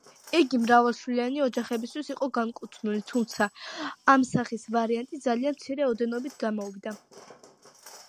იგი მრავალშვილიანი ოჯახებისთვის იყო განკუთვნილი, თუმცა ამ სახის ვარიანტი ძალიან მცირე ოდენობით გამოვიდა.